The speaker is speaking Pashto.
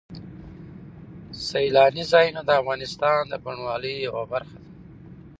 سیلاني ځایونه د افغانستان د بڼوالۍ یوه برخه ده.